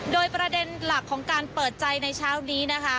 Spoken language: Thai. โดยประเด็นหลักของการเปิดใจในเช้านี้นะคะ